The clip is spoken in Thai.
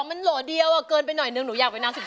๑๒มันโหลดเดียวอ่ะเกินไปหน่อยหนึ่งหนูอยากไปนาศิษย์๑๓